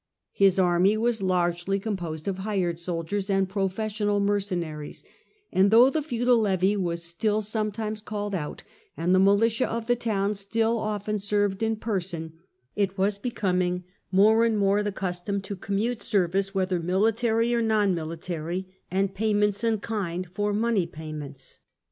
His army was largely composed of hired soldiers and professional mercenaries, and though the feudal levy was still sometimes called out and the militia of the towns still often served in person, it was becoming more and more the custom to commute service, whether military or non military, and payments in kind, for money payments.